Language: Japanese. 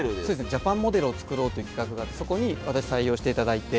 ジャパンモデルをつくろうという企画があってそこに私採用して頂いて。